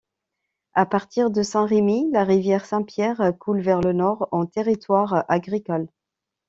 À partir de Saint-Rémi, la rivière Saint-Pierre coule vers le nord en territoires agricoles.